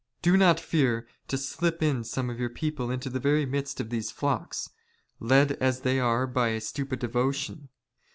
Do not fear to slip in some of your people into the " very midst of these flocks, led as they are by a stupid devotion.